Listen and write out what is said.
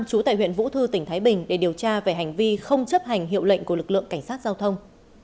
trú tại huyện vũ thư tỉnh thái bình để điều tra về hành vi không chấp hành hiệu lệnh của lực lượng cảnh sát giao thông